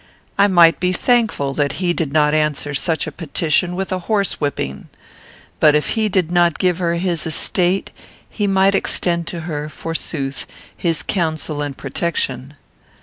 I might be thankful that he did not answer such a petition with a horse whipping. But if he did not give her his estate, he might extend to her, forsooth, his counsel and protection.